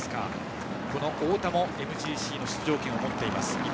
太田もＭＧＣの出場権を持っています。